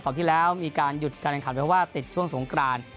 สอบที่แล้วมีการหยุดการขัดเพราะว่าติดช่วงสงกราน